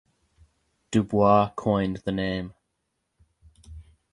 Du Bois coined the name.